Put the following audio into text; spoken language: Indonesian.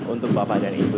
untuk bapak dan ibu